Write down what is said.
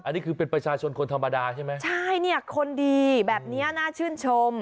อันนี้คือเป็นประชาชนคนธรรมดาใช่ไหมใช่เนี่ยคนดีแบบเนี้ยน่าชื่นชม